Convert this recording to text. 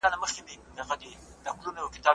اسلامي لارښوونې د ټولني د ښيرازۍ لپاره دي.